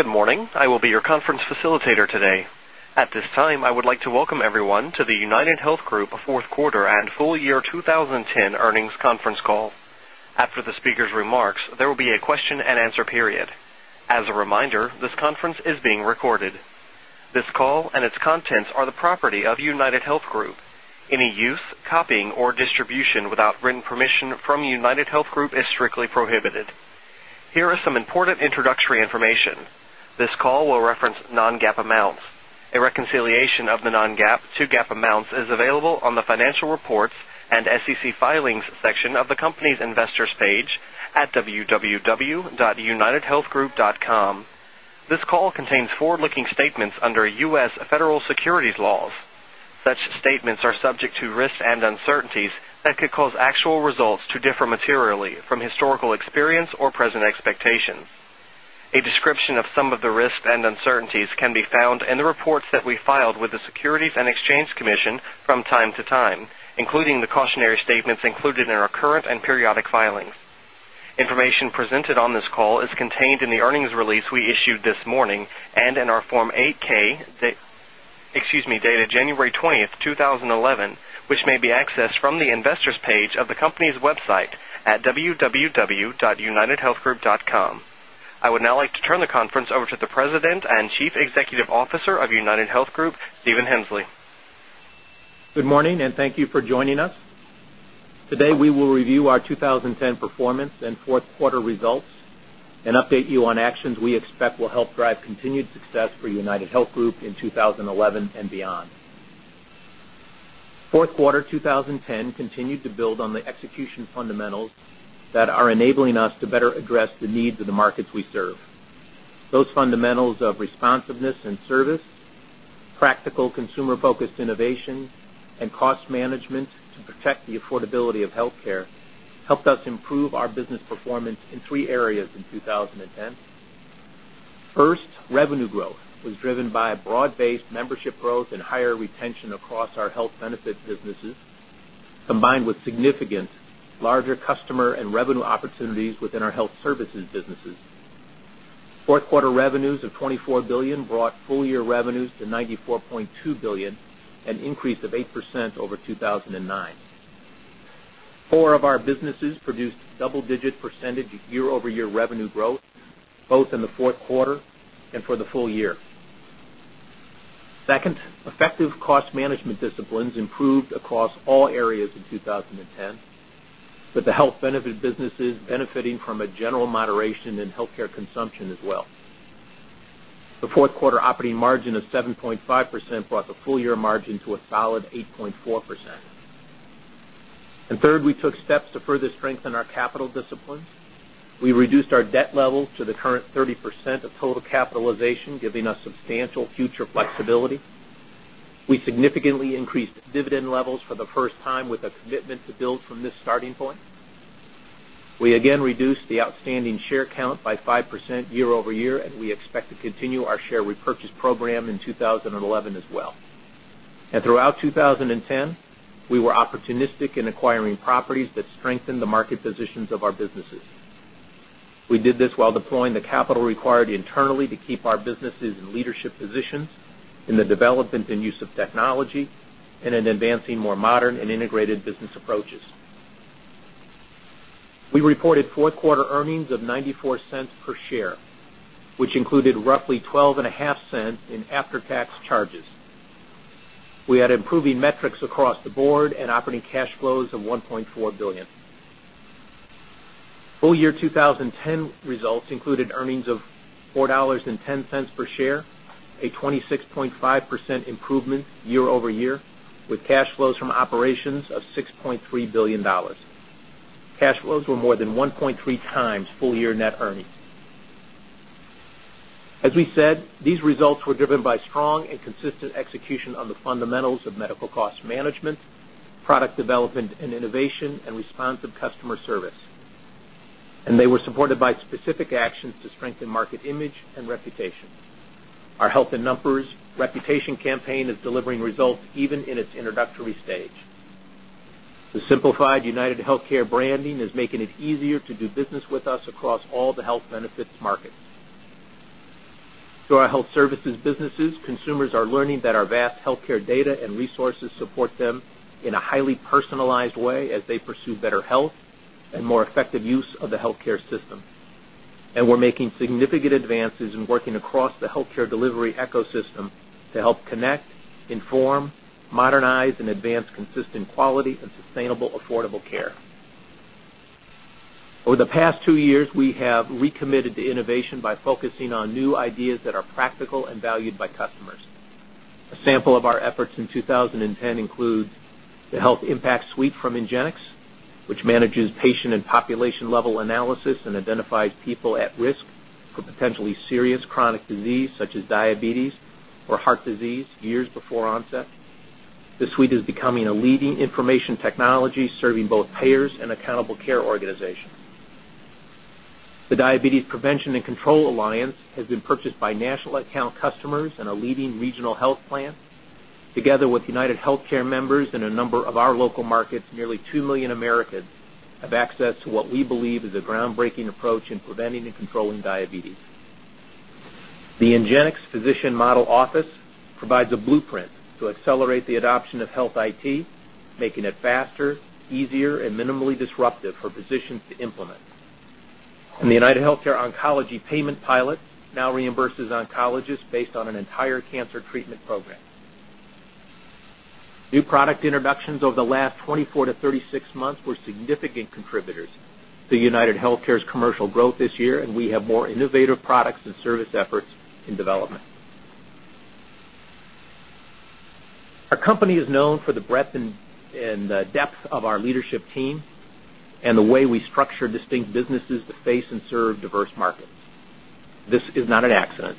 Good morning. I will be your conference facilitator today. At this time, I would like to welcome everyone to the UnitedHealth Group 4th Quarter and Full Year 20 10 Earnings 10 Earnings Conference Call. After the speakers' remarks, there will be a question and answer period. As a reminder, this conference is being recorded. This call and its contents are the property of UnitedHealth Group. Any use, copying or distribution without written permission from UnitedHealth Group is strictly prohibited. Here are some important introductory information. This call will reference non GAAP amounts. A reconciliation of the non GAAP to GAAP amounts is available on the Financial Reports and SEC Filings section of the company's Investors page at www.unitedhealthgroup.com. This call contains forward looking statements under U. S. Federal securities laws. Such statements are subject to risks and uncertainties that could cause actual results to differ materially from historical experience or present expectations. A description of some of the risks and uncertainties can be found in the reports that we filed with the Securities and Exchange Commission from time to time, including the cautionary statements included our current and periodic filings. Information presented on this call is contained in the earnings release we issued this morning and in our Form 8 ks dated January 20, 2011, which may be accessed from the Investors page of the company's website at www.unitedhealthgroup.com. I would now like to turn the conference over to the President and Chief Officer of UnitedHealth Group, Stephen Hensley. Good morning and thank you for joining us. Today we will review our 2010 performance and 4th quarter results and update you on actions we expect will help drive continued success for UnitedHealth Group in 2011 beyond. Q4 2010 continued to build on the execution fundamentals that are enabling us to better address the needs the the affordability of healthcare helped us improve our business performance in 3 areas in 2010. First, revenue growth was driven by broad based membership growth and higher retention across our health benefits businesses combined with significant larger customer and revenue opportunities within our Health Services businesses. 4th quarter revenues of $24,000,000,000 brought full year revenues to $94,200,000,000 an increase of 8% over 2,000 and 9. 4 of our businesses produced double digit percentage year over year revenue growth both in the 4th quarter and for the full year. 2nd, effective cost management disciplines improved across all areas in 2010 with the health benefit businesses benefiting from a general moderation in healthcare consumption as well. The 4th quarter operating margin of of 7.5% brought the full year margin to a solid 8.4%. And third, we took steps to further strengthen our capital discipline. We reduced our debt levels to the current 30% of total capitalization giving us substantial future We significantly increased dividend levels for the first time with a commitment to build from this starting point. We again reduced the outstanding share count by 5% year over year and we expect to continue our share repurchase program in 2011 as well. And throughout 2010, we were opportunistic in acquiring properties that strengthen the market positions of our businesses. We did this while deploying the capital required internally to keep our businesses in leadership positions in the development and use of technology and in advancing more modern and integrated business approaches. We reported 4th quarter earnings of $0.94 per share, which included roughly $0.125 in after tax charges. We had improving metrics across the board and operating cash flows of 1,400,000,000 dollars Full year 20 6.5% improvement year over year with cash flows from operations of $6,300,000,000 Cash flows were were more than 1.3 times full year net earnings. As we said, these results were driven by strong and consistent execution on the fundamentals of medical cost management, product development and innovation and responsive customer service. And they were supported by specific actions to strengthen market image and reputation. Our Health in Numbers reputation campaign is delivering results even in its introductory stage. The simplified UnitedHealthcare branding is making it easier to do business with us across all the health benefits markets. Through our health services businesses, consumers are learning that our vast healthcare data and resources support them in a highly personalized way as they pursue better health and more effective use of the healthcare system. And we're making significant advances in working across the healthcare delivery ecosystem to help connect, inform, modernize and advance consistent quality and sustainable affordable care. Over the past 2 years, we have recommitted to innovation by focusing on new ideas that are practical and valued by customers. A sample of our efforts in 2010 includes the Health Impact suite from Ingenix, which manages patient and population level analysis and identifies people at risk for potentially serious chronic disease such as diabetes or heart disease years before onset. This suite is becoming a leading information technology serving both payers and accountable care organizations. Prevention and Control Alliance has been purchased by national account customers and a leading regional health plan. Together with UnitedHealthcare members in a number of our local in a number of our local markets, nearly 2,000,000 Americans have access to what we believe is a groundbreaking approach in preventing and controlling diabetes. The Ingenix physician model office provides a blueprint to accelerate the adoption of health IT making it faster, easier, disruptive for physicians to implement. And the UnitedHealthcare Oncology payment pilot now reimburses oncologists based on an entire cancer treatment program. New product introductions over the last 24 to 36 months were significant contributors to UnitedHealthcare's commercial growth this year and we have more innovative products and service efforts in development. Our company is known for the breadth and depth of our leadership team and the way we structure distinct businesses to face and serve diverse markets. This is not an accident.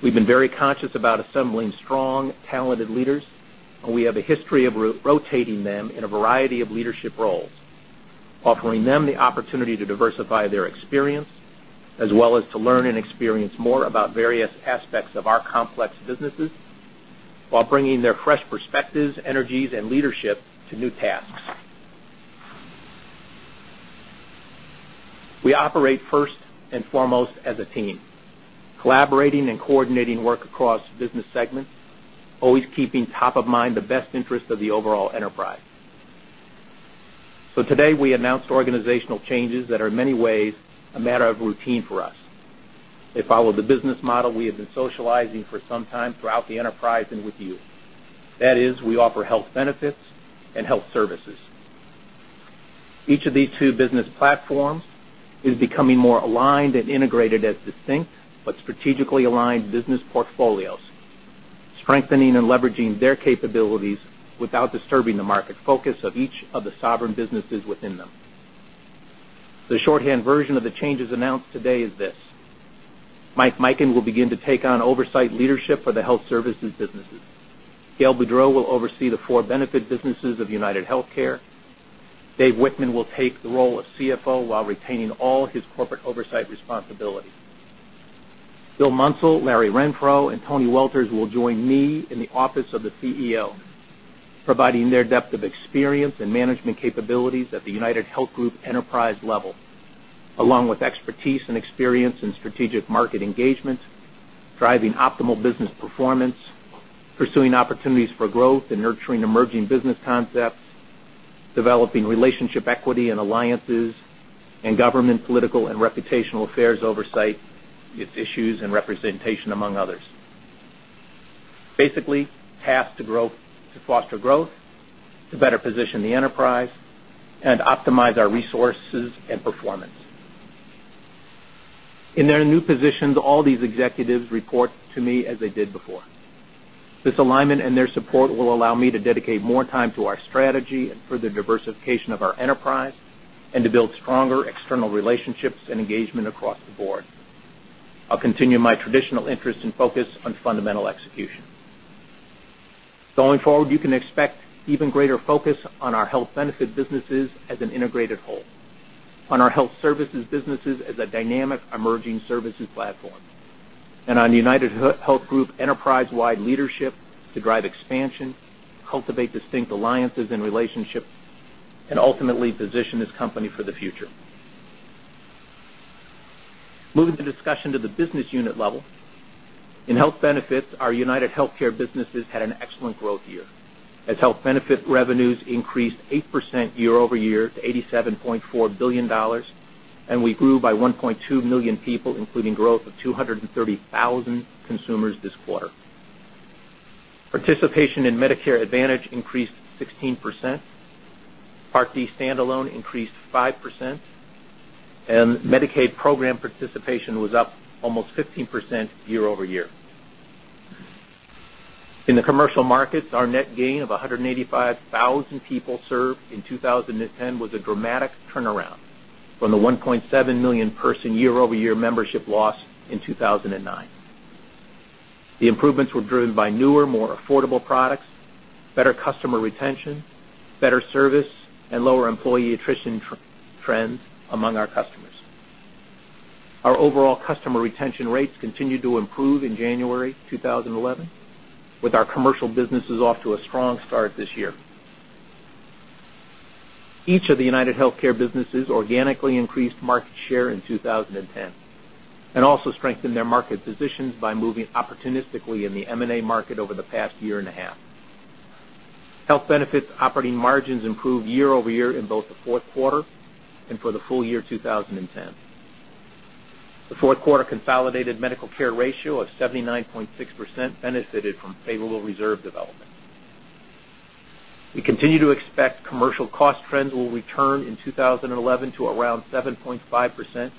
We've been very conscious about assembling strong talented leaders and we have a history of rotating them in a variety of leadership roles, offering them the opportunity to diversify their experience as well as to learn and experience more about various aspects of our complex businesses while bringing their fresh perspectives, energies and leadership to new tasks. We operate 1st and foremost as a team, collaborating and coordinating work across business segments, always keeping top of mind the best interest of the overall enterprise. So today, we announced organizational changes that are in many ways a matter of routine for us. They follow the business model we have been socializing for some time throughout the enterprise with you. That is we offer health benefits and health services. Each of these two business platforms is becoming more aligned and integrated as distinct but strategically aligned business portfolios, strengthening and leveraging their capabilities without disturbing market focus of each of the sovereign businesses within them. The shorthand version of the changes announced today is this. Mike Mikhen will begin to take on oversight leadership for the Health Services businesses. Gail Boudreaux will oversee the 4 benefit businesses of United Healthcare. Dave Wittmann will take the role of CFO while retaining all his corporate oversight responsibility. Bill Munsell, Larry Renfro and Tony Welters will join me in the office of the CEO providing their depth of experience and management capabilities at the UnitedHealth Group enterprise level, along with expertise and experience in strategic market engagement, driving optimal business performance, pursuing opportunities for growth and nurturing emerging business concepts, developing relationship equity in alliances and government political and reputational affairs oversight its issues and representation among others. Basically, task to foster growth, to better position the enterprise, and optimize our resources and performance. In their new positions, all these executives report to me as they did before. This alignment and their support will allow me to dedicate more time to our strategy and further diversification of our enterprise and to build stronger external relationships and engagement across the I'll continue my traditional interest and focus on fundamental execution. Going forward, you can expect even greater focus on our health benefit businesses as an integrated whole, on our health services businesses as a dynamic emerging services platform and on UnitedHealth Group enterprise wide leadership to drive expansion, cultivate distinct alliances and relationships, and ultimately position this company for the future. Moving to the business unit level. In Health Benefits, our UnitedHealthcare businesses had an excellent growth year as Health Benefit revenues increased 8% year over year to $87,400,000,000 and we grew by 1,200,000 people including growth of 230 1,000 consumers this quarter. Participation in Medicare Advantage increased 5%, and Medicaid program participation was up almost 15% year over year. In the commercial markets, our net gain of 185,000 people served in 20 turnaround from the 1,700,000 person year over year membership loss in 2,009. The improvements were driven by newer more affordable products, better customer retention, better service and lower employee attrition trends among our customers. Our overall customer retention rates continued to improve in January 2011 with our commercial businesses off to a strong start this year. Each of the UnitedHealthcare businesses organically increased market share in 2010 and also strengthened their market positions by moving opportunistically in the M and A market over the past year and a half. Health Benefits operating margins improved year over year in both the Q4 and for the full year 2010. The 4th quarter consolidated medical care ratio of 79.6% benefited from favorable reserve development. We continue to expect commercial cost trends will return in 20 11 to around 7 point 5%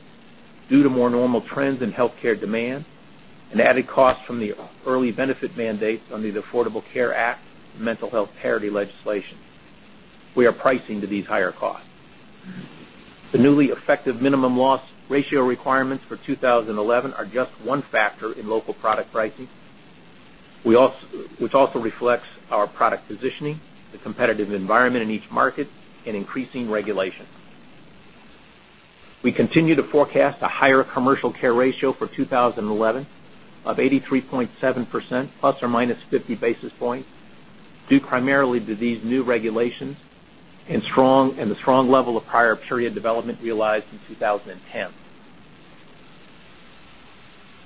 due to more normal trends in healthcare demand and added costs from the early benefit mandates under the Affordable Care Act and Mental Health Parity Legislation. We are pricing to these higher costs. The newly effective minimum loss ratio requirements for 2011 are just one factor in local product pricing, which also reflects our product positioning, the competitive environment in each market and increasing regulation. We continue to forecast a higher commercial care ratio for 2011 of 83.7 percent plus or minus 50 basis points due primarily to these new regulations and the strong level of prior period development realized in 2010.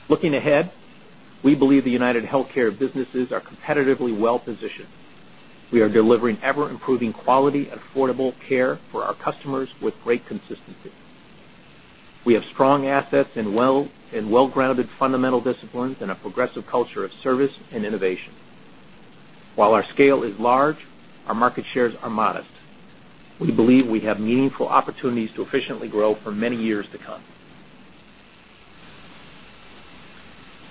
Looking ahead, we believe the United Healthcare businesses are competitively well positioned. We are delivering ever improving quality affordable care for our customers with great consistency. We have strong assets and well grounded fundamental disciplines and a progressive culture of service and innovation. While our scale is large, our market shares are modest. We believe we have meaningful opportunities to efficiently grow for many years to come.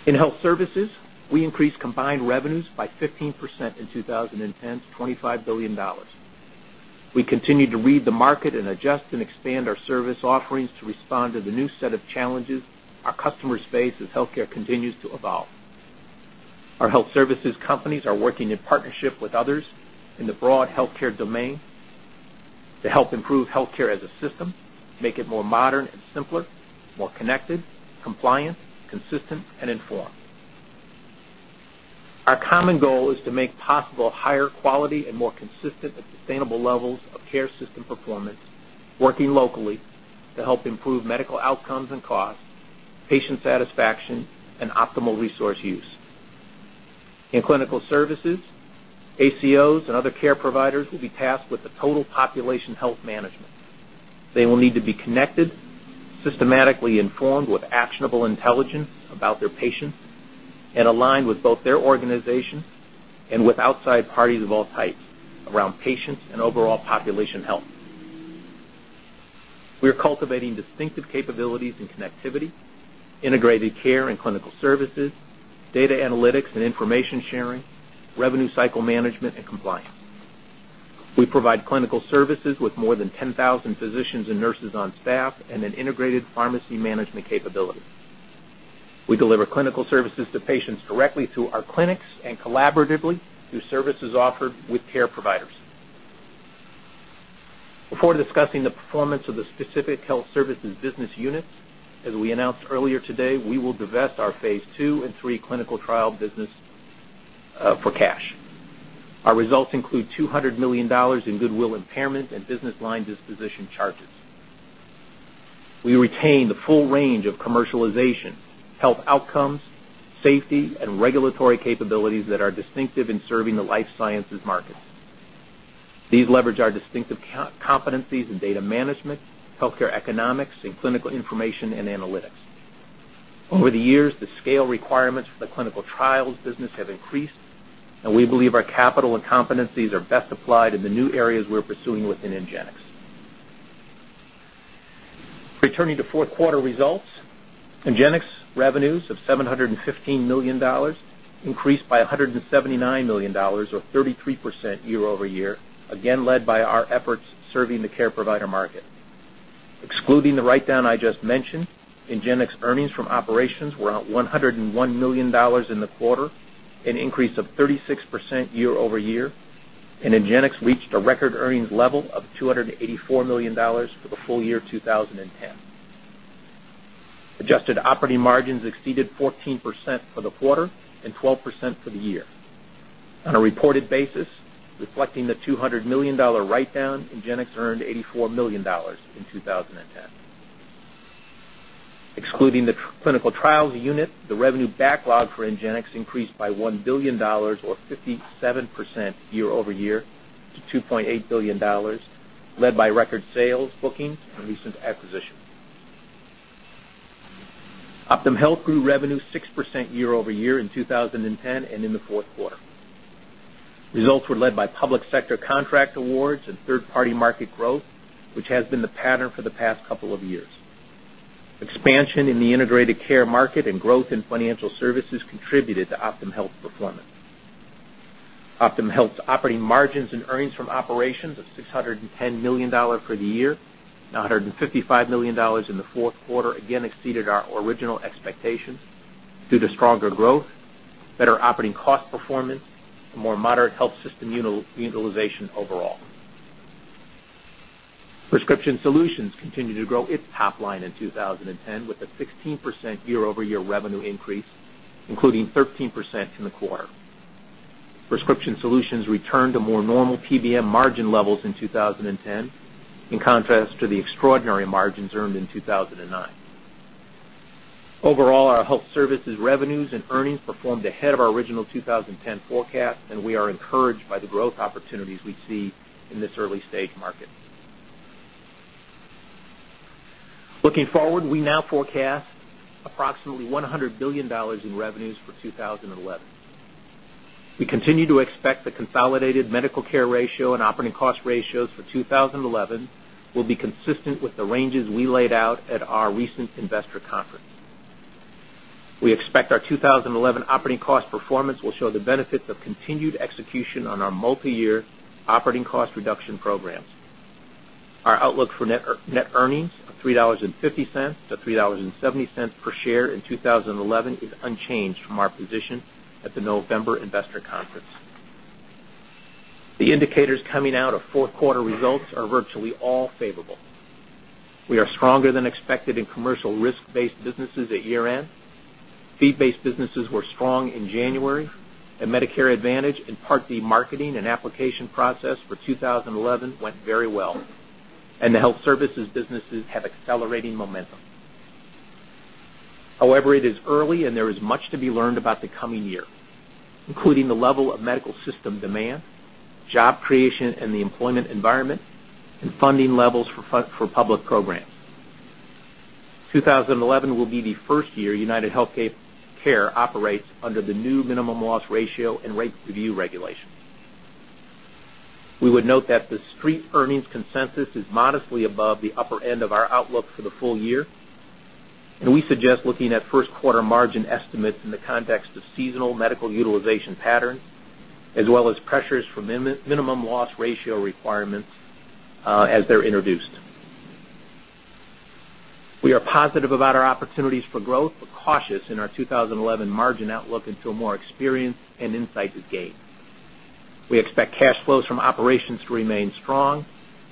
In Health Services, we increased combined revenues by 15% in 20 10 to $25,000,000,000 We continue to read the market and adjust and expand our service offerings to respond to the new set of challenges our customers face as healthcare continues to evolve. Our health services companies are working in partnership with others in the broad healthcare domain to help improve healthcare as a system, make it more modern and simpler, more connected, compliant, consistent and informed. Our common goal is to make possible higher quality and more consistent and sustainable levels of care system performance working locally to help improve medical outcomes and costs, patient satisfaction and optimal resource use. In clinical services, ACOs and other care providers will be tasked with the total population health management. They will need to be connected, systematically informed with actionable intelligence about their patients and aligned with both their organization and with outside parties of all types around patients and overall population health. We are cultivating distinctive capabilities in connectivity, integrated care and clinical services, data analytics and information sharing, revenue cycle management management and compliance. We provide clinical services with more than 10,000 physicians and nurses on staff and an integrated pharmacy management capability. Deliver clinical services to patients directly through our clinics and collaboratively through services offered with care providers. Before discussing the performance of the specific health services business units, as we announced earlier today, we will divest our Phase 2 and 3 clinical trial charges. We retain the full range of commercialization, health outcomes, safety and regulatory capabilities that are distinctive in serving the life sciences markets. These leverage our distinctive competencies in data management, healthcare economics and clinical information analytics. Over the years, the scale requirements for the clinical trials business have increased and we believe our capital and competencies are best applied in the new areas pursuing within Ingenix. Returning to 4th quarter results, Ingenix revenues of $715,000,000 increased by $179,000,000 or 33% year over year, again led by our efforts serving care provider market. Excluding the write down I just mentioned, Ingenx earnings from operations were up $101,000,000 in the quarter, an increase of 36% year over year and Ingenx reached a record earnings level of $284,000,000 for the full 2010. Adjusted operating margins exceeded 14% for the quarter and 12% for the year. On a reported basis, reflecting the $200,000,000 write down, Ingenx earned $84,000,000 in 20 the clinical trials unit, the revenue backlog for Ingenix increased by $1,000,000,000 or 57% year over year to 2 $800,000,000 led by record sales, bookings and recent acquisitions. OptumHealth grew revenue 6% year over year in 2010 and in Q4. Results were led by public sector contract awards and third party market growth, which has been the pattern for the past couple of years. Expansion in the integrated care market and growth in financial services contributed to OptumHealth's performance. OptumHealth's operating margins and earnings from operations of $610,000,000 for the year and $155,000,000 in the 4th quarter again exceeded our original expectations due to stronger growth, better operating cost performance, and more moderate health system utilization overall. Prescription Solutions continued to grow its top line in 2010 10 with a 16% year over year revenue increase including 13% in the quarter. Prescription Solutions returned to more normal PBM margin levels in 2010 in contrast to the extraordinary margins earned in 2,009. Overall, our Health Services revenues and earnings performed ahead of our original 2010 forecast and we are encouraged by the growth opportunities we see in this early stage market. Looking forward, we now forecast approximately $100,000,000,000 in revenues for 2011. We continue to expect the consolidated medical care ratio and operating cost ratios for 2011 will be consistent with the ranges we laid out at our recent investor conference. We expect our 2011 operating cost performance will show the benefits of continued execution on our multi year operating cost reduction programs. Our outlook for net earnings of $3.50 to 3.70 per share in 2011 is unchanged from our position at the November Investor Conference. The indicators coming out of 4th quarter results are virtually all favorable. We are stronger than expected in commercial risk based businesses at year end. Fee based businesses were strong in January and Medicare Advantage and Part D marketing and application process for 2011 went very well. And the Health Services businesses have accelerating momentum. However, it is early and there is much to be learned about the coming year, including the level of medical 11 will be the 1st year UnitedHealthcare operates under the new minimum loss ratio and rate review regulation. We would note that the Street earnings consensus is modestly above the upper end of our outlook for the full year and we suggest looking at 1st quarter margin estimates in the context of seasonal medical utilization patterns as well as pressures from minimum loss ratio requirements as they're introduced. We are positive about our opportunities for growth, but cautious in our 2011 margin outlook into a more experienced and insight to gain. We expect cash flows from operations to remain strong,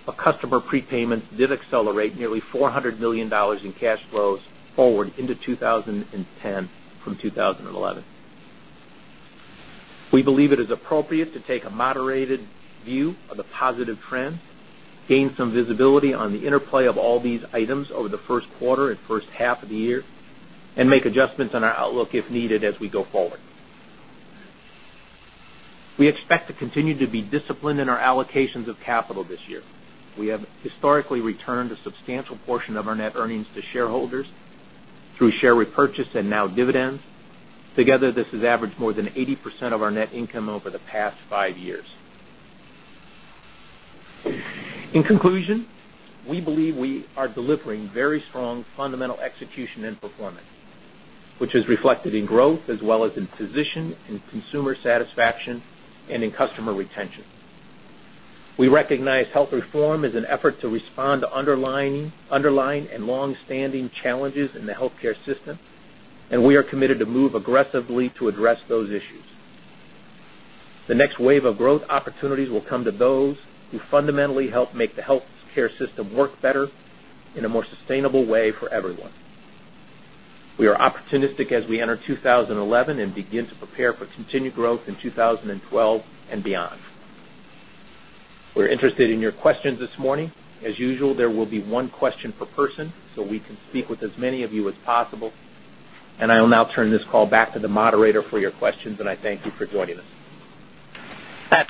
but customer prepayments did accelerate nearly $400,000,000 in cash flows forward into 2010 from 2011. We believe it is appropriate to take a moderated view of the positive trends, gain some visibility on the interplay of all these items over the Q1 and first half of the year and make adjustments on our outlook if needed as we go forward. We expect to continue to be disciplined in our allocations of capital this year. We have historically returned a substantial portion of our net earnings to shareholders through share repurchase and now dividends. Together this has averaged more than 80% of our net income over the past 5 years. In conclusion, we believe we are delivering very strong fundamental execution and performance, which is reflected in growth as well as in position and consumer satisfaction and in customer retention. We recognize health reform is an effort to respond to underlying and longstanding challenges in the healthcare system and we are committed to move aggressively to address those issues. The next wave of growth opportunities will come to those who fundamentally help make the healthcare system work better in a more sustainable way for everyone. We are opportunistic as we enter 2011 and begin to prepare for continued growth in 2012 beyond. We're interested in your questions this morning. As usual, there will be one question per person, so we can speak with as many of you as possible. And I will now turn this call back to the moderator for your questions and I thank you for joining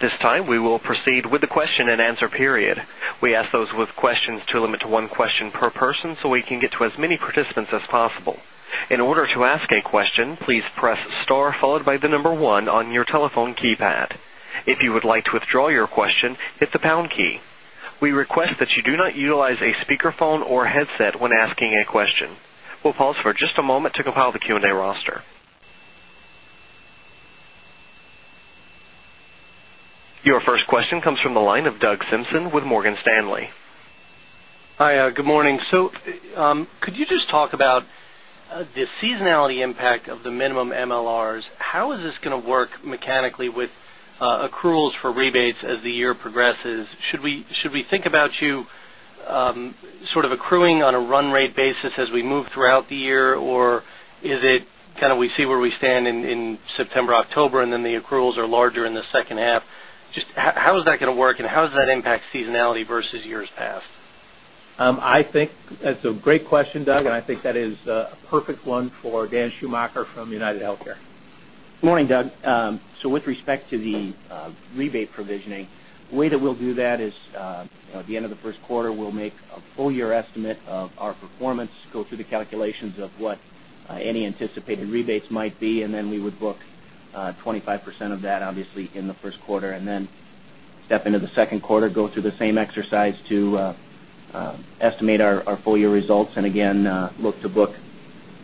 this time, we will proceed with a question and answer period. We ask those with questions to limit to 1 question per person, so we can get to as many participants as possible. In Your first question comes from the line of Doug Simpson with Morgan Stanley. Hi, good morning. So, could you just talk about the seasonality impact of the minimum MLRs? How is this going to work mechanically with accruals for rebates as the year progresses? Should we think about you sort of accruing on a run rate basis as we move throughout the year or is it kind of we see where we stand in September, October and then the accruals are larger in the second half. Just how is that going to work and how does that impact seasonality versus years past? I think that's a great question, Doug, and I think that is a perfect one for Dan Schumacher from UnitedHealthcare. Good morning, Doug. So with respect to the rebate provisioning, the way that we'll do that is at the end of the Q1, we'll make a full year estimate of our performance go through the calculations of what any anticipated rebates might be and then we would book 25% of that obviously in the Q1. And then step into the Q2 go through the same exercise to estimate our full year results and again look to book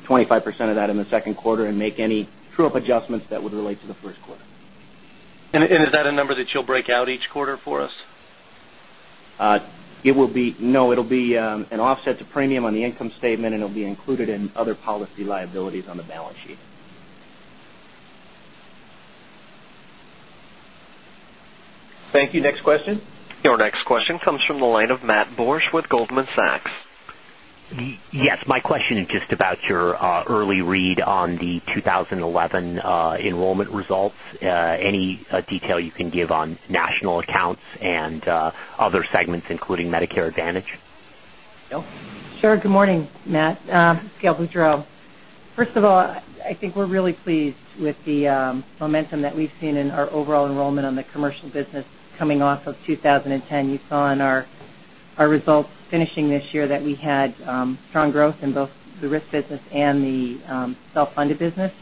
25% of that in the Q2 and make any true up adjustments that would relate to the Q1. And is that a number that you'll break out each quarter for us? It will be no, it will be an offset to premium on the income statement and it will be included in other policy liabilities on the balance sheet. Thank you. Next question? Your next question comes from the line of Matt Borsch with Goldman Sachs. Yes. My question is just about your early read on the 2011 enrollment results. Any detail you can give on national accounts and other segments including Medicare Advantage? Sure. Good morning, Matt. Gail Boudreaux. First of all, I think we're really pleased with the momentum that we've seen in our overall enrollment on the commercial business coming off of 2010. You saw in our results finishing this year that we had strong growth in both the risk business and the self funded business.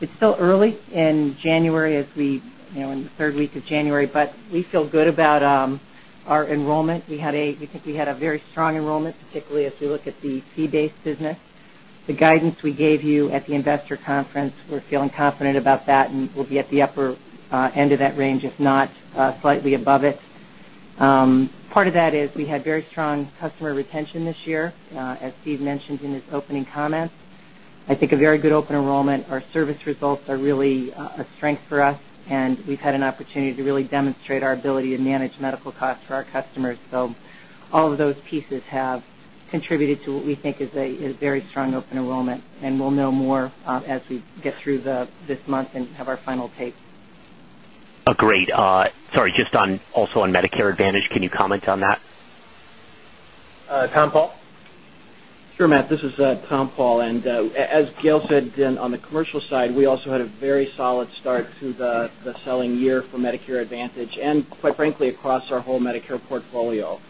It's still early in January as we in the 3rd week of January, but we feel good about our enrollment. We had a we had a very strong enrollment particularly as we look at the fee based business. The guidance we gave you at the Investor Conference, we're feeling confident about that and we'll be at the upper end of that range if not slightly above it. Part of that is we had very strong customer retention this year As Steve mentioned in his opening comments, I think a very good open enrollment. Our service results are really a strength for us and we've had an opportunity to really demonstrate our ability to manage medical costs for our customers. So all of those pieces have contributed to what we think is a very strong open enrollment and we'll know more as we get through this month and have our final take. Great. Sorry, just on also on Medicare Advantage, can you comment on that? Tom Paul? Sure, Matt. This is Tom Paul. And as Gail said, on the commercial side, we also had a very solid start the selling year for Medicare Advantage and quite frankly across our whole Medicare portfolio.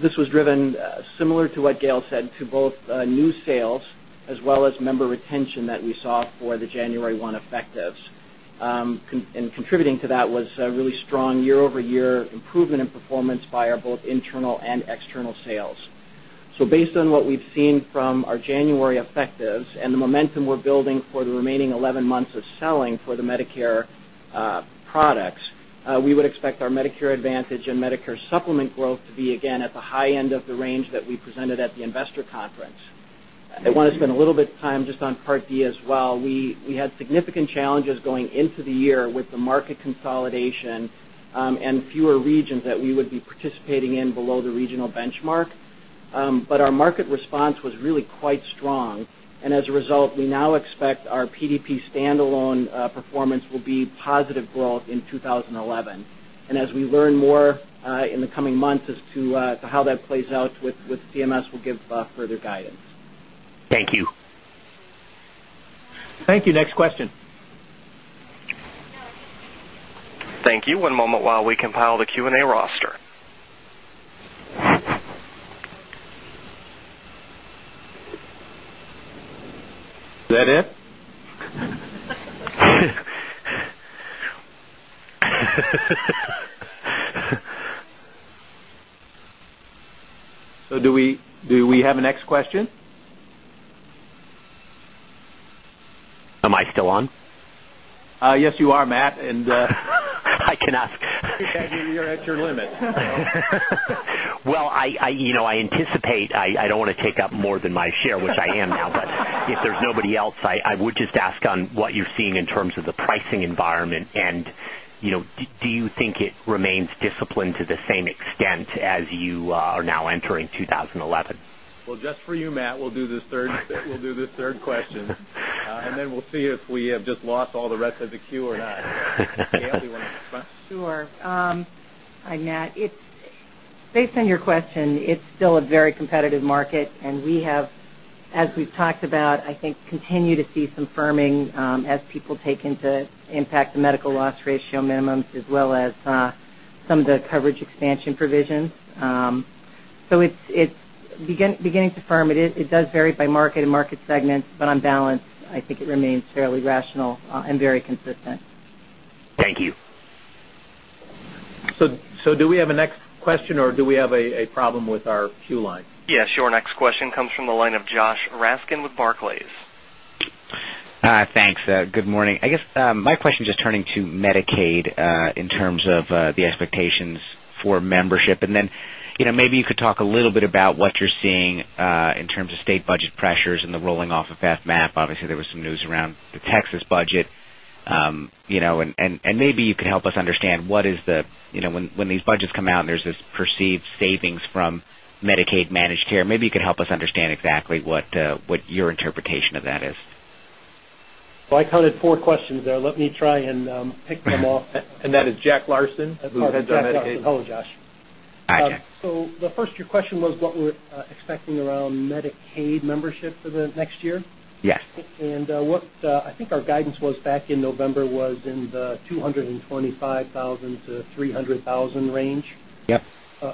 This was driven similar to what Gail said to both new sales as well as member retention that we saw for the January 1 effectives. And contributing to that was really strong year over year improvement in performance by our both internal and external sales. So based on what we've seen from our January effectives and the momentum bit time just on Part D as well. We had significant challenges going into the year with the market consolidation and fewer regions that we would be participating in below the regional benchmark. But our market response was really quite strong. And as a result, we now expect our PDP standalone performance will be positive growth in 2011. And as we learn more in the coming months as to how that plays out with CMS, we'll give further guidance. Thank you. Thank you. Next question. Thank you. One moment while we compile the Q and A roster. So do we have a next question? Am I still on? Yes, you are, Matt. I can ask. You're at your limit. Well, I anticipate I don't want to take up more than my share, which I am now. But if there's nobody else, I would just ask on what you're seeing in terms of the pricing environment. And do you think it remains disciplined to the same extent as you are now entering 2011? Well, just for you, Matt, we'll do this third question and then we'll see if we have just lost all the rest of the queue or not. Anne, do you want to? Sure. Hi, Matt. Based on your question, it's still a very competitive market and we have as we've talked about, I think continue to see some firming as people take to impact the medical loss ratio minimums as well as some of the coverage expansion provisions. So it's beginning to firm it. It does vary by market and market segments, but on balance I think it remains fairly rational and very consistent. Thank you. So do we have a next question or do we have a problem with our queue line? Yes. Your next question comes from the line of Josh Raskin with Barclays. Thanks. Good morning. I guess my question is just turning to Medicaid in terms of the expectations for membership. And then maybe you could talk a little bit about what you're seeing in terms of state budget pressures and the rolling off of FMAP. Obviously, there was some news around the Texas budget. And maybe you could help us understand what is the when these budgets come out and there's this perceived savings from Medicaid Managed Care, maybe you can help us understand exactly what your interpretation of that is? Well, I counted 4 questions there. Let me try and pick them off. And that is Jack Larson, who heads on Medicaid. Hello, Josh. Hi, Jack. So the first your question was what we're expecting around Medicaid membership for the next year? Yes. And what I think our guidance was back in November was in the $225,000 to $300,000 range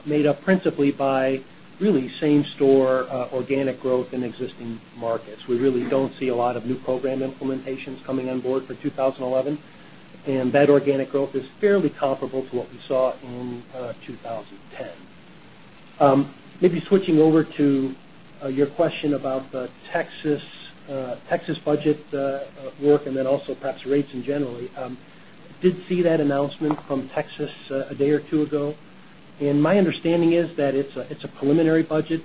made up principally by really same store organic growth in existing markets. We really don't see a lot of new program implementations coming on board for 20 11. And that organic growth is fairly comparable to what we saw in 2010. 10. Maybe switching over to your question about the Texas budget work and then also perhaps rates in generally. Did see that announcement from Texas a day or 2 ago. And my understanding is that it's a preliminary budget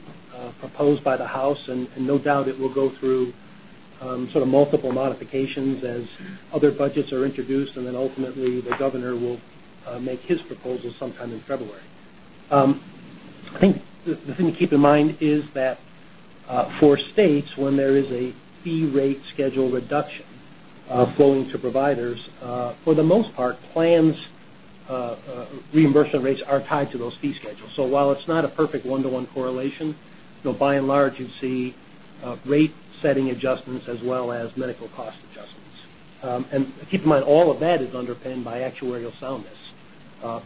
proposed by the House and no doubt it will go through sort of multiple modifications as other budgets are introduced and then ultimately the Governor will make his proposal sometime in February. I think the thing to keep in mind is that for states when there is a fee rate schedule reduction flowing to providers, for the most part plans reimbursement rates are tied to those fee schedules. So while it's not a perfect one to one correlation, by and large you'd see rate setting adjustments as well as medical cost adjustments. And keep in mind all of that is underpinned by actuarial soundness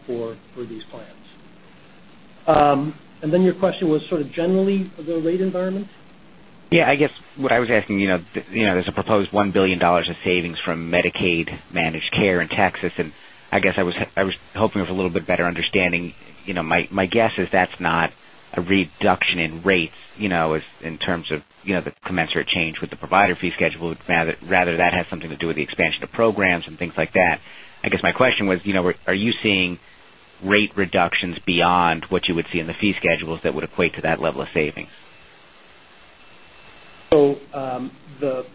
for these plans. And then your question was sort of generally the rate environment? Yes. I guess what I was asking there's a proposed $1,000,000,000 of savings from Medicaid Managed Care in Texas. And I guess I was hoping for a little bit better understanding. My guess is that's not a reduction in rates in terms of the commensurate change with the provider fee schedule rather that has something to do expansion of programs and things like that. I guess my question was, are you seeing rate reductions beyond what you would see in the fee schedules that would equate to that level of savings? So, the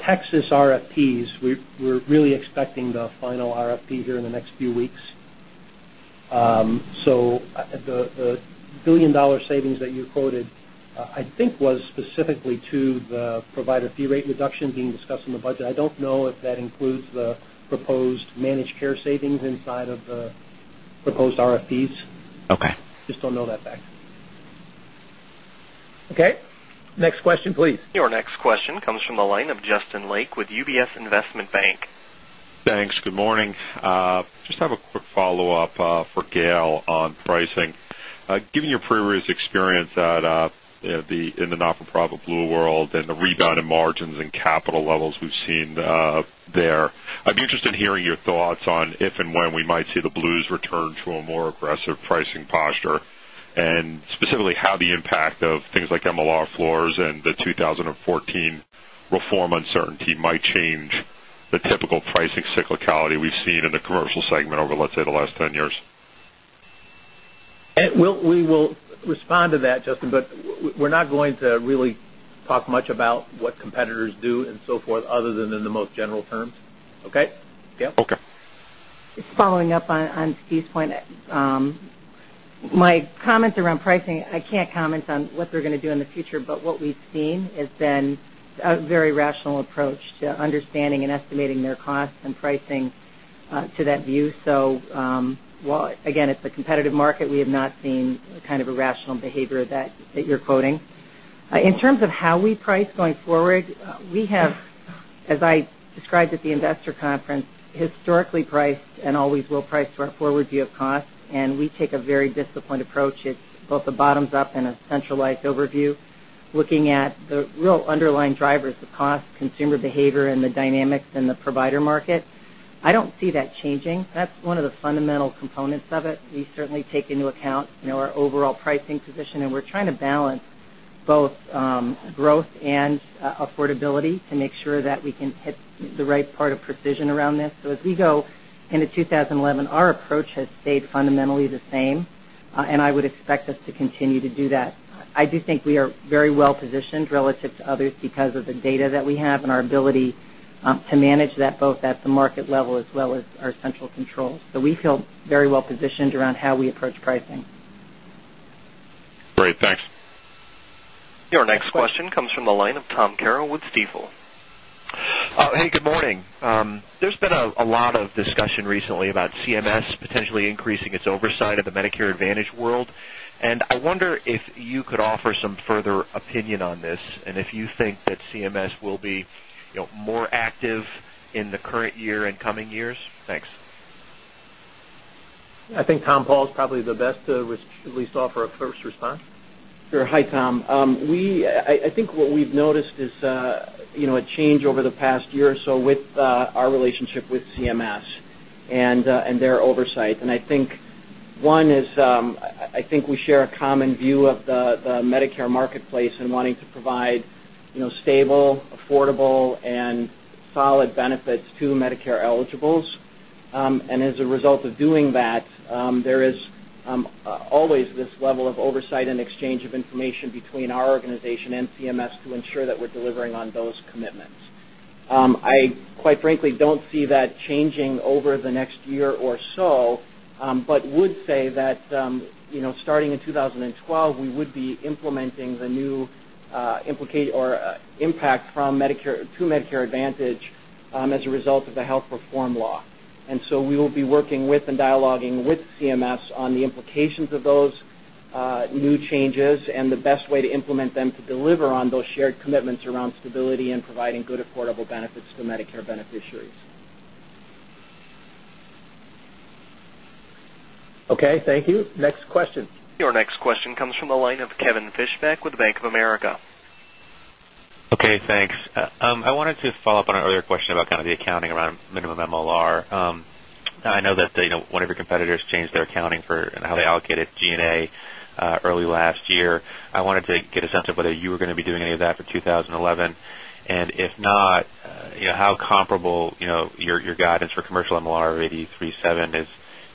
Texas RFPs, we're really expecting the final RFP here in the next few weeks. So the $1,000,000,000 savings that you quoted, I think was specifically to the provider fee rate reduction being discussed in the budget. I don't know if that includes the proposed managed care savings inside of the proposed RFPs. Okay. Just don't know that fact. Okay. Next question please. Your next question comes from the line of Justin Lake with UBS Investment Bank. Thanks. Good morning. Just have a quick follow-up for Gail on pricing. Given your previous experience at the in the not for profit blue world and the rebound in interested in hearing your thoughts on if and when we might see the Blues return to a more aggressive pricing posture? And specifically how the impact of things like MLR floors and the 2014 reform uncertainty might change the typical pricing cyclicality we've seen in the commercial segment over, let's say, the last 10 years? We will respond to that Justin, but we're not going to really talk much about what competitors do and so forth other than in the most general terms. Okay, future. But what we've seen has been a very rational going to do in the future. But what we've seen has been a very rational approach to understanding and estimating their costs and pricing to that view. So, while again it's a competitive market we have not seen kind of a rational behavior that you're quoting. In terms of how we price going forward, we have as I described at the Investor Conference historically priced and always will price to our forward view of cost and we take a very disciplined approach. It's both the bottoms up and a centralized overview. Looking at the real underlying drivers of cost, consumer behavior and the dynamics in the provider market. I don't see that changing. That's one of the fundamental components of it. We certainly take into account our overall pricing position and we're trying to balance both growth and affordability to make sure that we can hit the right part of precision around this. So as we go into 2011, our approach has stayed fundamentally the same. And I would expect us to continue to do that. I do think we are very well positioned relative to others because of the data that we have and our ability to manage that both at the market level as well as our central controls. So we feel very well positioned around how we approach pricing. Great. Thanks. Your next question comes from the line of Tom Carroll with Stifel. Hey, good morning. There's been a lot of discussion recently about CMS potentially increasing its oversight of the Medicare Advantage world. And I wonder if you could offer some further opinion on this and if think that CMS will be more active in the current year and coming years? Thanks. I think Tom Paul is probably the best to at least offer a first respond. Sure. Hi, Tom. We I think what we've noticed is a change over the past year or so with our relationship with CMS and their oversight. And I think one is, I think we share a common view of the Medicare marketplace and wanting to provide stable, affordable and solid benefits to Medicare eligibles. And as a result of doing that, there is always this level of oversight and exchange of information between our organization and CMS to ensure that we're delivering on those commitments. I quite frankly don't see that changing over the next year or so, but would say that starting in 2012, we would be implementing the new or impact from Medicare to Medicare Advantage as a result of the health reform law. And so we will be working with and dialoguing with CMS on the implications of those new changes and the best way to implement them to deliver on those shared commitments around stability and providing good affordable benefits to Medicare beneficiaries. Your next question comes from the line of Kevin Fischbeck with Bank of America. I wanted to follow-up on an earlier question about kind of the accounting around minimum MLR. I know that one of your competitors changed their accounting for and how they allocated G and A early last year. I wanted to get a sense whether you were going to be doing any of that for 2011? And if not, how comparable your guidance for commercial MLR of 8,307 is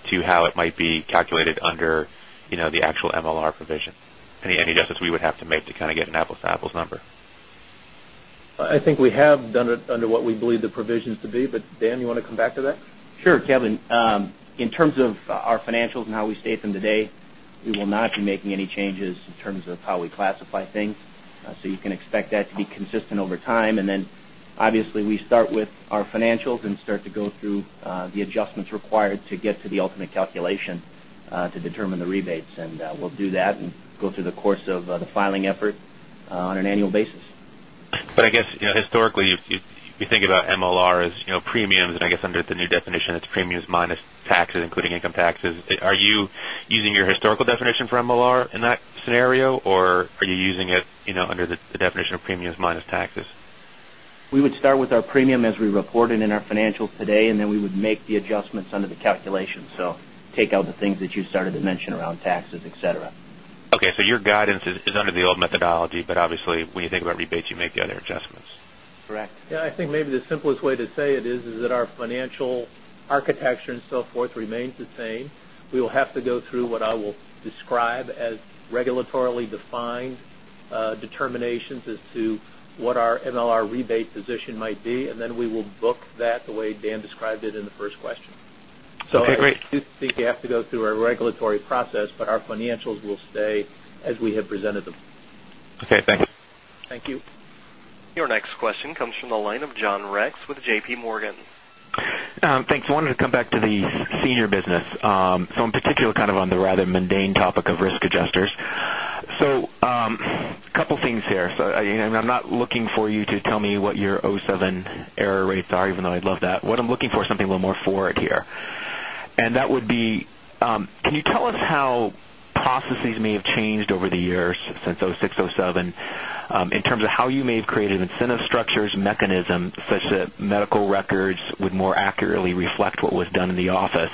to how it might be calculated under the actual MLR provision? Any justice we would have to make to kind of get an apples to apples number? I think we have done it under what we believe the provisions to be. But Dan, you want to come back to that? Sure, Kevin. In terms of our financials and how we state them today, we will not be making changes in terms of how we classify things. So you can expect that to be consistent over time. And then obviously, we start with our financials and start to go through the adjustments required to get to the ultimate calculation to determine the rebates. And we'll do that and go through the course of the filing effort on an annual basis. But I guess historically, if you think about MLR as premiums and I guess under the new definition, it's premiums minus taxes including income taxes. Are you using your historical definition for MLR in that scenario? Or are you using it under the definition of premiums minus taxes? We would start with our premium as we reported in our financials today and then we would make the adjustments under the calculation. So take out the things that you started to mention around taxes, etcetera. Okay. So your guidance is under the old methodology, but obviously when you think about rebates you make the other adjustments? Correct. Yes. I think maybe the simplest way to say it is that our financial architecture and so forth remains the same. We will have to go through what I will describe as regulatorily defined determinations as to what our MLR rebate position might be and then we will book that the way Dan described it in the first question. Okay, great. So you think you have to go through a regulatory process, but our financials will stay as we have presented them. Okay, thanks. Thank you. Your next question comes from the line of John Rex with JPMorgan. Thanks. I wanted to come back to the senior business. So in particular on the rather mundane topic of risk adjusters. So a couple of things here. So I'm not looking for you to tell me what your 2,007 error rates are even though I'd love that. What I'm looking for is something a little more forward here. And that would be, can you tell us how processes may have changed over the years since 'six, 'seven in terms of how you may have created incentive structures mechanism such that medical records would more accurately reflect what was done in the office,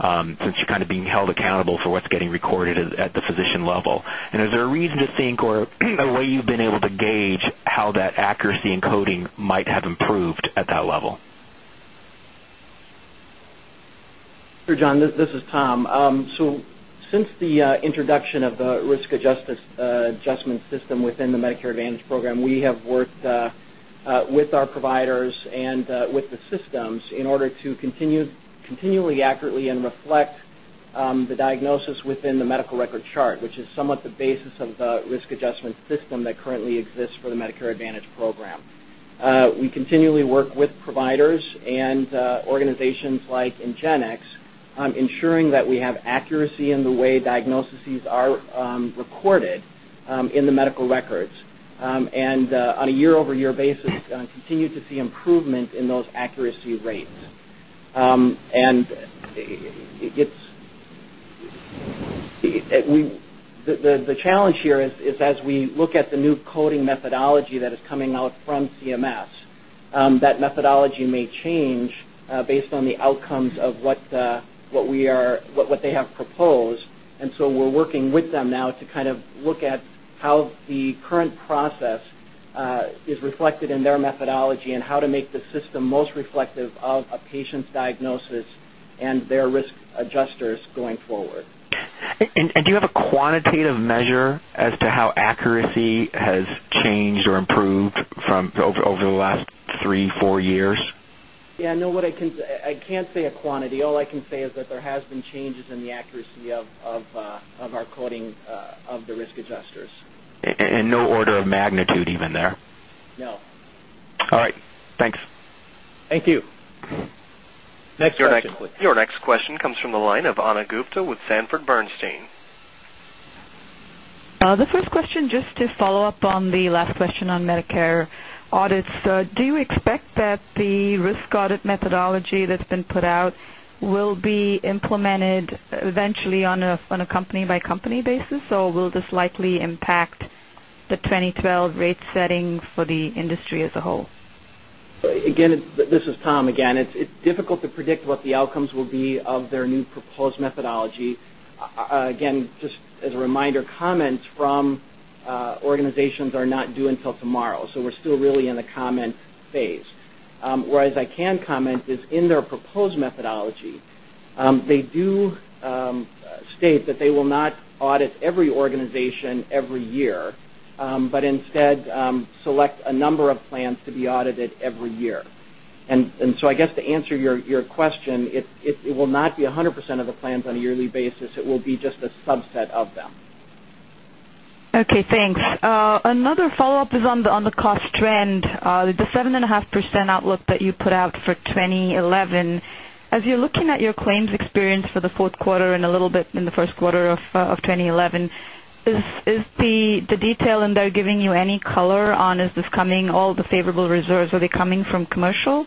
since you're kind of being held accountable for what's getting recorded at the physician level? And is there a reason to think or a way you've been able to gauge how that accuracy encoding might have improved at that level? Sure, John. This is Tom. So since the introduction of the risk adjustment system within the Medicare Advantage program, we have worked with our providers and with the systems in order to continually accurately and reflect the diagnosis within the medical record chart, which is somewhat the basis of the risk adjustment system that currently exists for the Medicare Advantage program. We continually work with providers and organizations like Ingenx, ensuring that we have accuracy in the way diagnoses are recorded in the medical records. And on a year over year basis, continue to see improvement in those accuracy rates. And it gets we the challenge here is as we look at the new coding methodology that is coming out from CMS, that methodology may change based on the outcomes of what we are what they have proposed. And so we're working with them now to kind of look at how proposed. And so we're working with them now to kind of look at how the current process is reflected their methodology and how to make the system most reflective of a patient's diagnosis and their risk adjusters going forward. And do you have a quantitative measure as to how accuracy has changed or improved from over the last 3, 4 years? Yes. No, what I can I can't say a quantity? All I can say is that there has been changes in the accuracy of our quoting of the risk adjusters. And no order of magnitude even there? No. All right. Thanks. Thank you. Next question please. Your next question comes from the line of Ana Gupte with Sanford Bernstein. The first question just to follow-up on the last question on Medicare audits. Do you expect that the risk audit methodology that's been put out will be implemented eventually on a company by company basis? Or will this likely impact the 2012 rate setting for the industry as a whole? Again, this is Tom again. It's difficult to predict what the outcomes will be of their new proposed methodology. Again, just as a reminder, comments from organizations are not due until tomorrow. So we're still really in the comment phase. Whereas I can comment is in their proposed methodology, they do state that they will not audit every organization every year, but instead select a number of plans to be audited every year. And so I guess to answer your question, it will not be 100% of the plans on a yearly basis. It will be just subset of them. Okay. Thanks. Another follow-up is on the cost trend. The 7.5% outlook 2011, is the detail in there giving you any color on is this coming all the favorable reserves, are they coming from commercial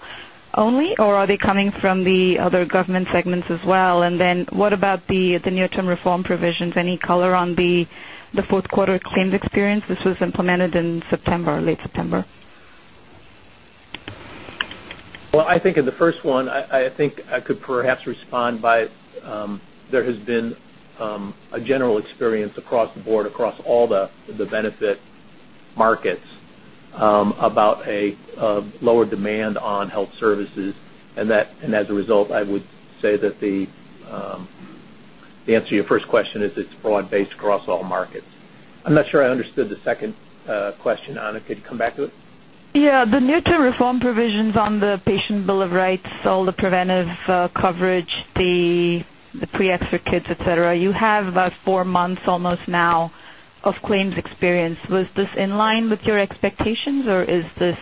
only or are they coming from the other government segments as well? And then what about the near term reform provisions? Any color on the Q4 claims experience? This was implemented in late September. Well, I think in the first one, I think I could perhaps respond by there has been a general experience across the board, across all the benefit markets about a lower demand on health services. And that and as a result I would say that the answer to first question is it's broad based across all markets. I'm not sure I understood the second question Anna. Could you come back to it? Yes. The new term reform provisions on the Patient Bill of Rights, all the preventive coverage, the pre extra kids, etcetera, you have about 4 months almost now of claims experience. Was this in line with your expectations? Or is this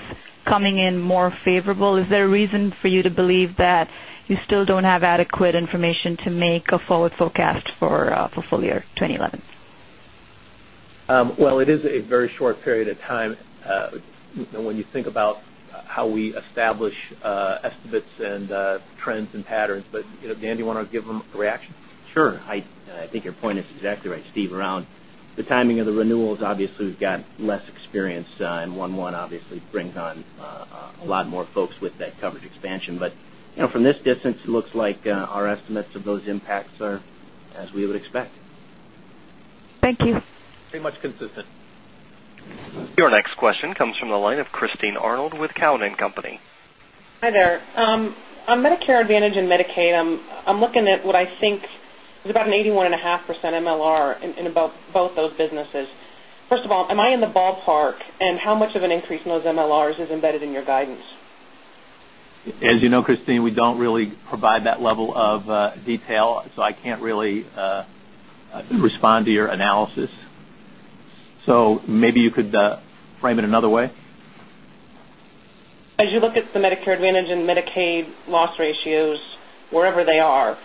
coming in more favorable? Is there a reason for you to believe that you still don't have adequate information to make a forward forecast for full year 2011? Well, it is a very short period of time when you think about how we establish estimates and trends and patterns. But Dan, do you want to give a reaction? Sure. I think your point is exactly right Steve around the timing of the renewals obviously we've got less experience and oneone obviously brings on a lot more folks with that coverage expansion. But from this distance, it looks like our estimates of those impacts are as we would expect. Thank you. Pretty much consistent. Your next question comes from the line of Christine Arnold with Cowen and Company. Hi, there. On Medicare Advantage and Medicaid, I'm looking at what I think is about an 81.5% MLR in both those businesses. First of am I in the ballpark? And how much of an increase in those MLRs is embedded in your guidance? As you know, Christine, we don't really provide that level of detail, so I can't really respond to your analysis. So maybe you could frame it another way? As you look at the Medicare Advantage and Medicaid loss ratios wherever they are,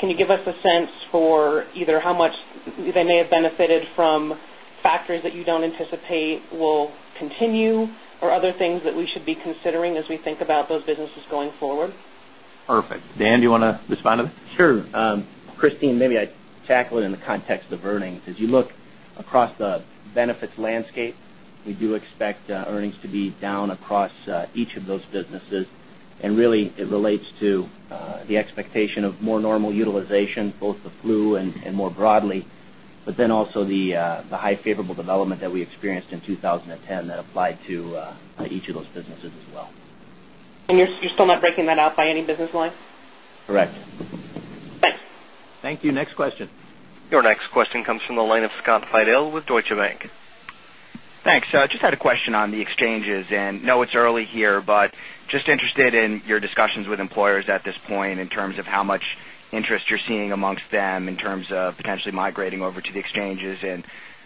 can you give us a sense for either how much they may have benefited from factors that you don't anticipate will continue or other things that we should be considering as we think about those businesses going forward? Perfect. Dan, do you want to respond to that? Sure. Christine, maybe I tackle it in the context of earnings. As you look across the benefits landscape, we do expect earnings to be down across each of those businesses. And really it relates to the expectation of more normal utilization both the flu and more broadly, but then also the high favorable development that we experienced in 2010 that applied to each of those businesses as well. And you're still not breaking that out by any business lines? Correct. Thanks. Thank you. Next question. Your next question comes from the line of Scott Fidel with Deutsche Bank. Thanks. Just had a question on the exchanges and know it's early here, but just interested in your discussions with employers at this point in terms of how much interest you're seeing amongst them in terms of potentially migrating over to the exchanges and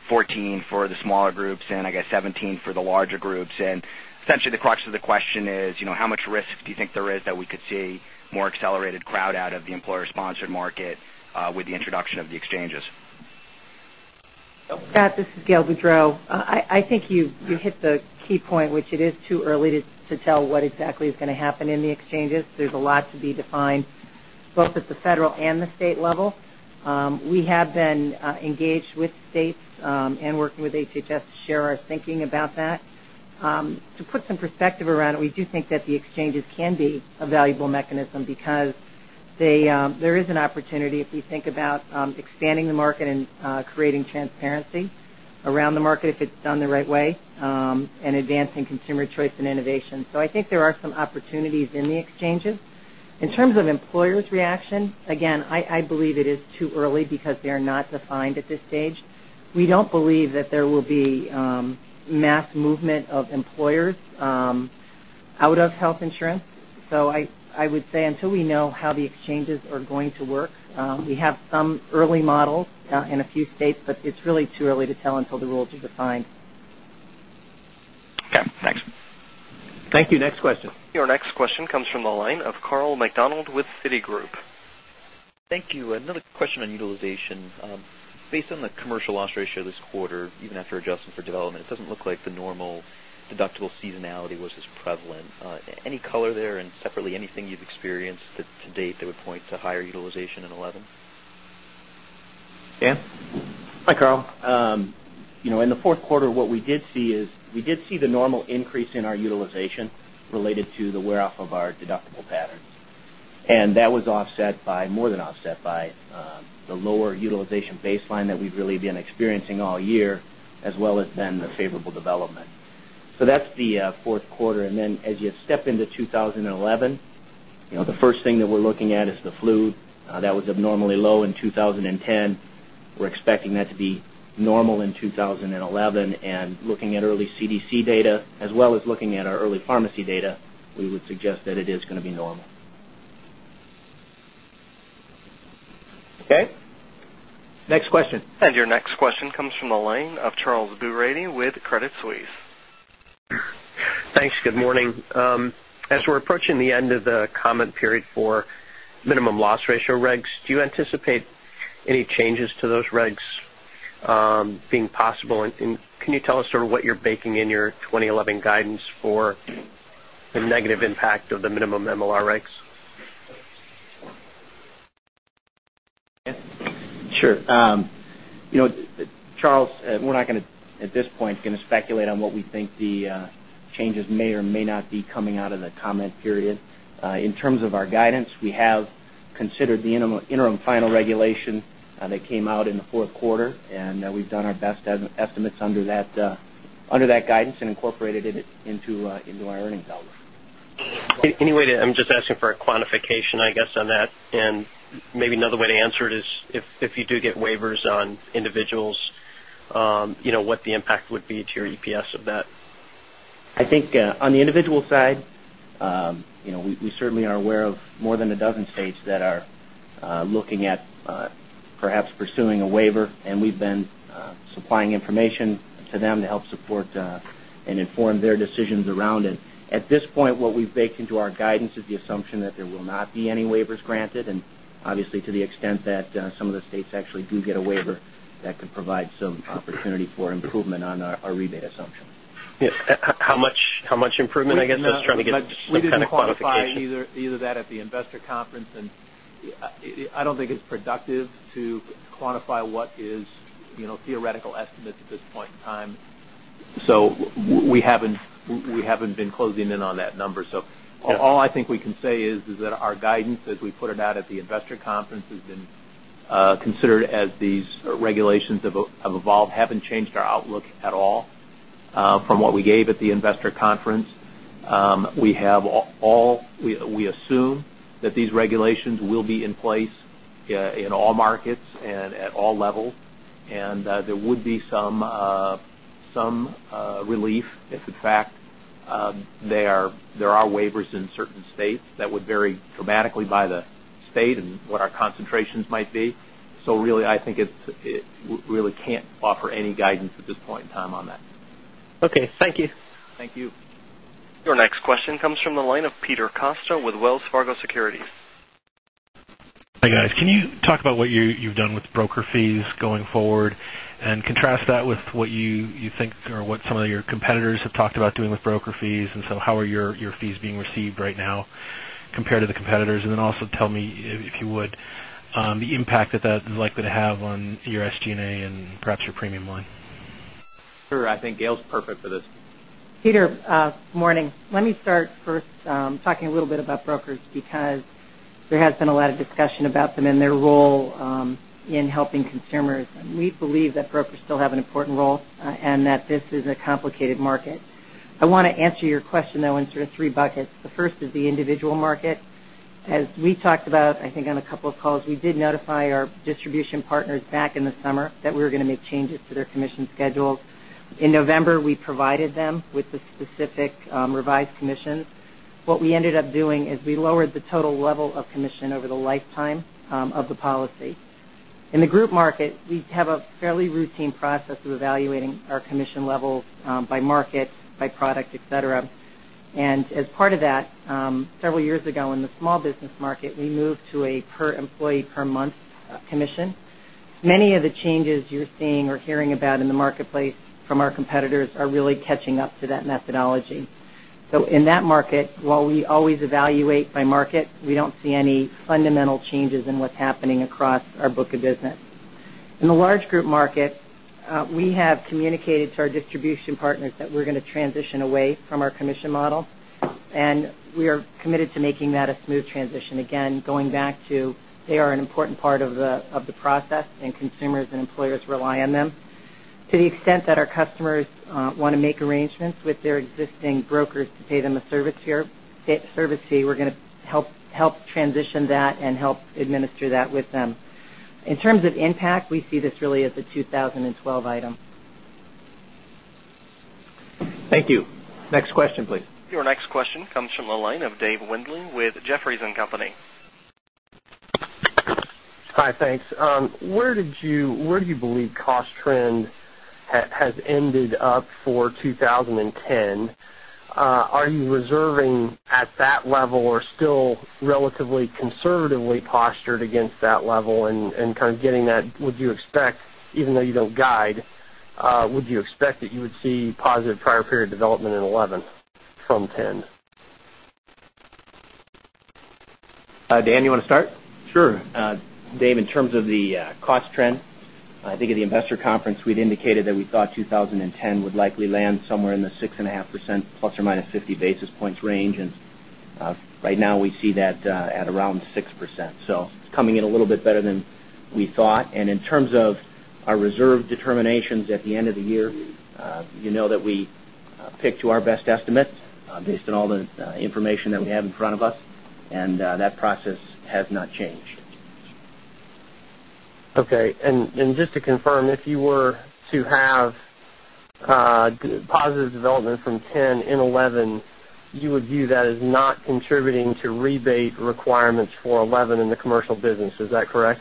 14 for the smaller groups and I guess 17 for the larger groups. And essentially the crux of the question is, how much risk do you think there is that we could see more accelerated crowd out of the employer sponsored market with the introduction of the exchanges. Scott, this is Gail Boudreaux. I think you hit the key point, which it is too early to tell what exactly is going to is going to happen in the exchanges. There's a lot to be defined both at the federal and the state level. We have been engaged with states and working with HHS to share our thinking about that. To put some perspective around it, we do think that the exchanges can be a valuable mechanism because they there is an opportunity if you think about expanding the market and creating transparency around the market if it's done the right way and advancing consumer choice and innovation. So I think there are some opportunities in the exchanges. In terms of employers' reaction, again, I believe it is too early because they are not defined at this stage. We don't believe that there will be mass movement of employers out of health insurance. So I would say until we know how the exchanges are going to work, we have some early models in a few states, but it's really too early to tell until the rules are defined. Okay. Thanks. Thank you. Next question. Your next question comes from the line of Karl McDonald with Citigroup. Thank you. Another question on utilization. Based on the commercial loss ratio this quarter, even after adjusting for development, it doesn't look like the normal deductible seasonality was as prevalent. Any color there? And separately, anything you've experienced to date that would point to higher utilization in 2011? Dan? Hi, Karl. In the Q4 what we did see is we did see the normal increase in our utilization related to the wear off of our deductible patterns. And that was offset by more than offset by the lower utilization baseline that we've really been experiencing all year as well as then the favorable development. So that's the Q4. And then as you step into 2011, the first thing that we're looking at is the flu. That was abnormally low in 2010. We're expecting that to be normal in 2011. And looking at early CDC data as well as looking at our early pharmacy data, we would suggest that it is going to be normal. Okay. Next question. And your next question comes from the line of Charles B. Beradi with Credit Suisse. Thanks. Good morning. As we're approaching the end of the comment period for minimum loss ratio regs, do you anticipate any changes to those regs being possible? And can you tell us sort of what you're baking in your 2011 guidance for the negative impact of the minimum MLR rates? Sure. Charles, we're not going to at this point going to speculate on what we think the changes may or may not be coming out of the comment period. In terms of our guidance, we have considered the interim final regulation that came out in the Q4 and we've done our best estimates under that guidance and incorporated it into our earnings outlook. Anyway, I'm just asking for a quantification, I guess, on that. And maybe another way to answer it is, if you do get waivers on individuals, what the impact would be to your EPS of that? I think on the individual side, we certainly are aware of more than a dozen states that are looking at perhaps pursuing a waiver and we've been supplying information to them to help support and inform their decisions around it. At this point, what we've baked into our guidance is the assumption that there will not be any waivers granted. And obviously, to the extent that some of the states actually do get a waiver that could provide some opportunity for improvement We're just trying to quantify either that at the investor conference. And I don't think it's productive to quantify what is theoretical estimates at this point in time. So we haven't been closing in on that number. So all I think we can say is that our guidance as we put it out at the Investor Conference has been considered as these regulations have evolved haven't changed our outlook at all from what we gave at the Investor Conference. We have all we assume that these regulations will be in place in all markets and at all levels. And there would be some relief if in fact there are waivers in certain states that would vary dramatically by the state and what our concentrations might be. So really I think it's really can't offer any guidance at this point in time on that. Okay. Thank you. Thank you. Your next question comes from the line of Peter Costa with Wells Fargo Securities. Hi, guys. Can you talk about what you've done with broker fees going forward and contrast that with what you think or what some of your competitors talked about doing with broker fees and so how are your fees being received right now compared to the competitors? And then also tell me, if you would, the impact that that is likely to have on your SG and A and perhaps your premium line? Sure. I think Gail is perfect for this. Peter, good morning. Let me start first talking a little bit about brokers because there has been a lot of discussion about them and their role in helping consumers. We believe that brokers still have an important role and that this is a complicated market. I want to answer your question though in sort of 3 buckets. The first is the individual market. As we talked about I think on a couple of calls, we did notify our distribution partners back in the summer that we were going to make changes to their commission schedules. In November, we provided them with the specific revised commissions. What we ended up doing is we lowered the total level of commission over the lifetime of the policy. In the group market, we have a fairly routine process of evaluating our commission levels by market, by product, etcetera. And as part of that, several years ago in the small business market, we moved to a per employee per month commission. Many of the changes you're seeing or hearing about in the marketplace from our competitors are really catching up to that methodology. So in that market, while we always evaluate by market, we don't see any fundamental changes in what's happening across our book of business. In the large group market, we have communicated to our distribution partners that we're going to transition away from our commission model. And we are committed to making that a smooth transition. Again, going back to they are an important part of the process and consumers and employers rely on them. To the extent that our customers want to make arrangements with their existing brokers to pay them a service fee, we're going to help transition that and help administer that with them. In terms of impact, we see this really as a 2012 item. Thank you. Next question please. Your next question comes from the line of Dave Windley with Jefferies and Company. Hi, thanks. Where did you where do you believe cost trend has ended up for 2010? Are you reserving at that level or still relatively conservatively postured against that level and kind of getting that would you expect even though you don't guide, would you see positive prior period development in 2011 from 2010? Dan, you want to start? Sure. Dave, in terms of the cost trend, I think at the investor conference, we'd indicated that we thought 2010 would likely land somewhere in the 6.5% plus or minus 50 basis points range. And right now, we see that at around 6 So it's coming in a little bit better than we thought. And in terms of our reserve determinations at the end of the year, you know that we pick to our best estimates based on all the information that we have in front of us and that process has not changed. Okay. And just to confirm, if you were to have positive development from 2010 2011, you would view that as not contributing to rebate requirements for 2011 in the commercial business. Is that correct?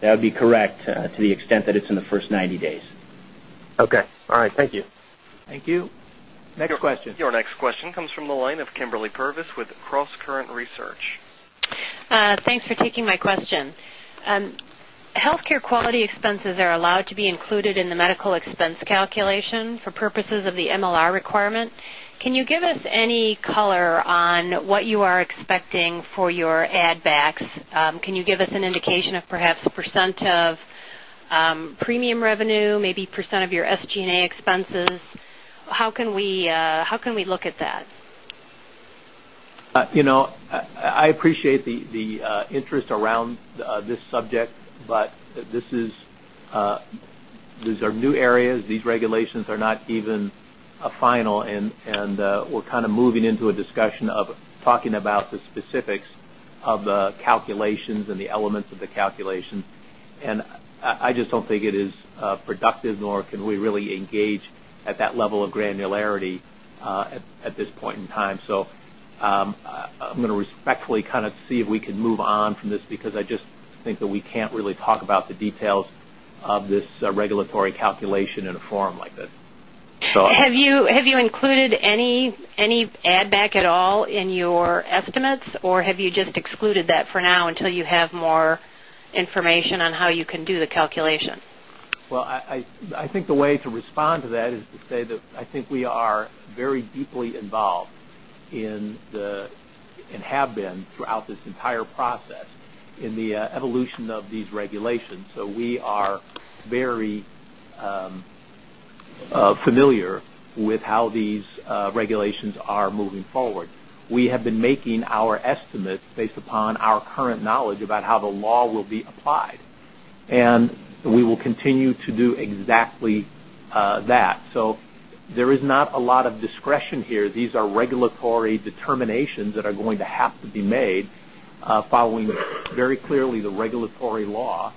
That would be correct to the extent that it's in the 1st 90 days. Okay. All right. Thank you. Thank you. Next question. Your next question comes from the line of Kimberly Purvis with CrossCurrent Research. Thanks for taking my question. Healthcare quality expenses are allowed to be included in the medical expense calculation for purposes of the MLR requirement. Can you give us any color on what you are expecting for your add backs? Can you give us an indication of perhaps percent of premium revenue, maybe percent of your SG and A expenses? How can we look at that? I appreciate the interest around this subject, but this is these are new areas. These regulations are not even final and we're kind of moving into a discussion of talking about the specifics of the calculations and the elements of the calculations. And I just don't think it is productive nor can we really engage at that level of granularity at this point in time. So I'm going to respectfully kind of see if we can move on from this because I just think that we can't really talk about the details of this regulatory calculation in a form like this. Have you included any add back at all in your estimates or have you just excluded that for now until you have more information on how you can do the calculation? Well, I think the way to respond to that is to say that I think we are very deeply involved in the and have been throughout this entire process in the evolution of these regulations. Moving forward. We have been making our estimates based upon our current knowledge about how the law will be applied. And we will continue to do exactly that. So there is not a lot of discretion here. These are regulatory determinations that are going to have to be made following very clearly the regulatory law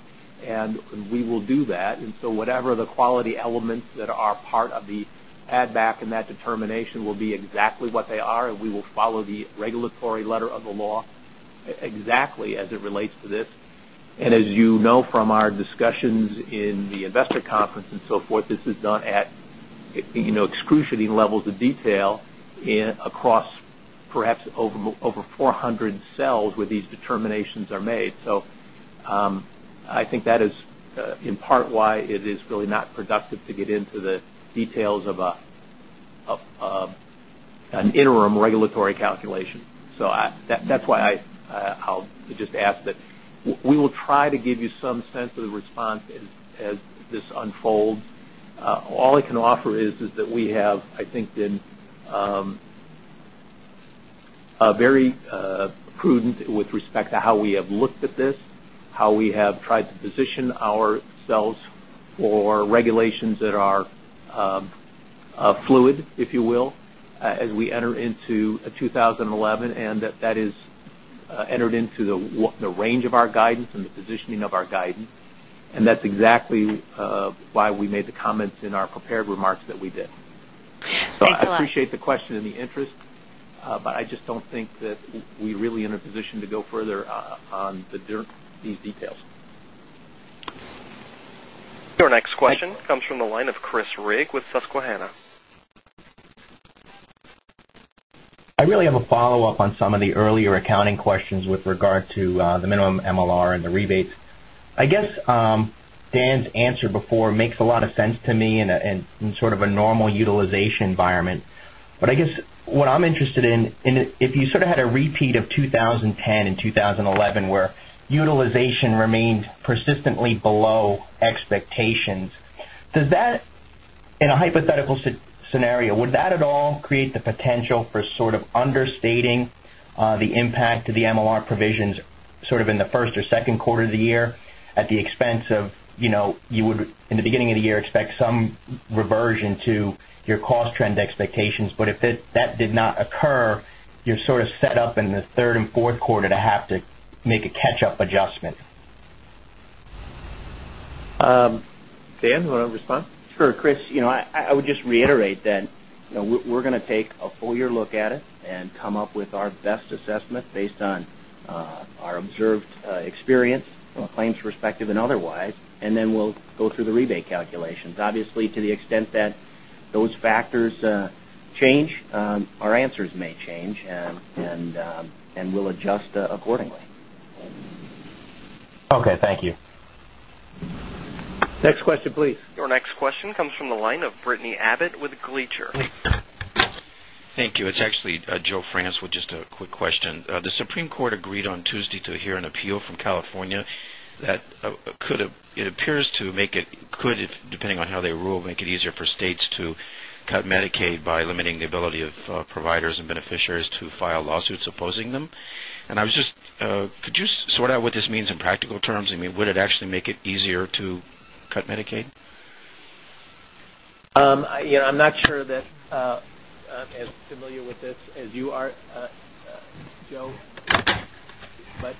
and we will do that. And so whatever the quality elements that part of the add back and that determination will be exactly what they are and we will follow the regulatory letter of the law exactly as it relates to And as you know from our discussions in the investor conference and so forth, this is done at excruciating levels of detail across perhaps over 400 cells where these determinations are made. So, I think that is in part why it is really not productive to get into the details of an interim regulatory calculation. So that's why I'll just ask that we will try to give you some sense of the response as this unfolds. All I can offer is that we have I think been very prudent with respect to how we have looked at this, how we have tried to position ourselves for regulations that are fluid if you will as we enter into 2011 and that is entered into the range of our guidance and the positioning of our guidance. And that's exactly why we made the comments in our prepared remarks that we did. So, I appreciate the question and the interest, but I just don't think that we're really in a position to go further on these details. Your next question comes from the line of Chris Rigg with Susquehanna. I really have a follow-up on some of the earlier accounting questions with regard to the minimum MLR and the rebates. I guess Dan's answer before makes a lot of sense to me in sort of a normal utilization environment. But I guess what I'm interested in, if you sort of had a repeat of 20 expectations. Does that in a hypothetical scenario, would that at all create the potential for sort of understating the impact of the MLR provisions sort of in the 1st or second quarter of the year at the expense of you would in the beginning of the year expect some reversion to your cost trend expectations. But if that did not occur, you're sort of set up in the 3rd Q4 to have to make a catch up adjustment. Dan, you want to respond? Sure. Chris, I would just reiterate that we're going to take a full year look at it and come up with our best assessment based on our observed experience from a claims perspective and otherwise and then we'll go through the rebate calculations. Obviously, to the extent that those factors change, our answers may change and we'll adjust accordingly. Okay. Thank you. Next question please. Your next question comes from the line of Brittany Abbott with Gleacher. Thank you. It's actually Joe France with just a quick question. The Supreme Court agreed on Tuesday to hear an appeal from California that could it appears to make it could depending on how they rule make it easier for states to cut Medicaid by limiting the ability of providers and beneficiaries to file lawsuits opposing them. And I was just could you sort out what this means in practical terms? I mean, would it actually make it easier to cut Medicaid? I'm not sure that as familiar with this as you are, Joe. But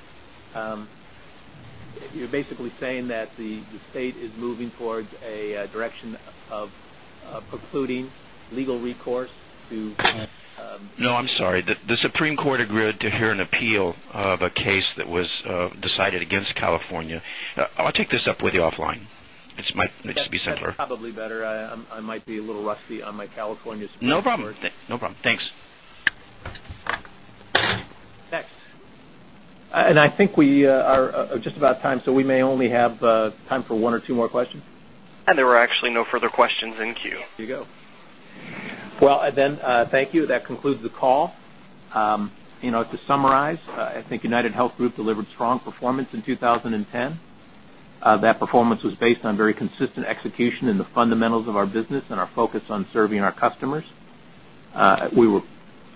you're basically saying that the state is moving towards a direction of precluding legal recourse to No, I'm sorry. The Supreme Court agreed to hear an appeal of a case that was decided against California. I'll take this up with you offline. It might just be simpler. Yes, it's probably better. I might be a little rusty on my California. No problem. Thanks. Next. And I think we are just about time, so we may only have time for 1 or 2 more questions. And there were actually no further questions in queue. There you go. Well, then thank you. That concludes the call. To summarize, I think UnitedHealth Group delivered strong performance in 2010. That performance was based on very consistent execution in the fundamentals of our business and our focus on serving our customers. We were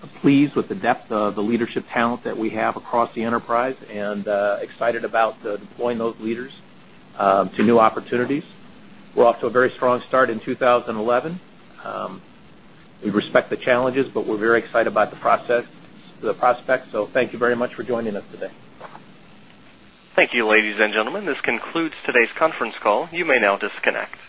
pleased with the depth We were pleased with the depth of the leadership talent that we have across the enterprise and excited about deploying those leaders to new opportunities. We're off to a very strong start in 20 11. We respect the challenges, but we're very excited about the process the prospects. So thank you very much for joining us today. You, ladies and gentlemen. This concludes today's conference call. You may now disconnect.